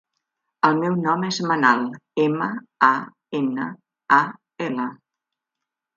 El meu nom és Manal: ema, a, ena, a, ela.